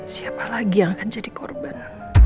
siapa lagi yang akan jadi korban